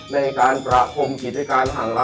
ในการประคมกิจการห่างล้ำ